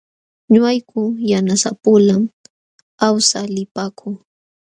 Ñuqayku yanasapulam awsaq lipaakuu.